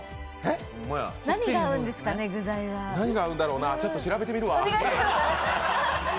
具材は何が合うんだろうな、ちょっと調べてみるわ。